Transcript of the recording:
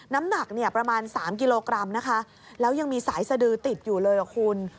น้ำหนักเนี่ยประมาณ๓กิโลกรัมนะคะแล้วยังมีสายสดือติดอยู่เลยอ่ะคุณ